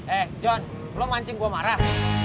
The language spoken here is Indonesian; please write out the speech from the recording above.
eh john lo mancing gue marah